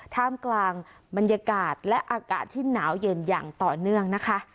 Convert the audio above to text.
ท่ามกลางบรรยากาศและอากาศที่หนาวเย็นอย่างต่อเนื่องนะคะ